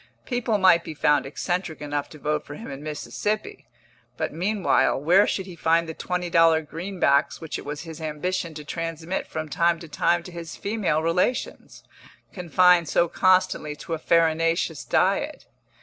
People might be found eccentric enough to vote for him in Mississippi, but meanwhile where should he find the twenty dollar greenbacks which it was his ambition to transmit from time to time to his female relations, confined so constantly to a farinaceous diet?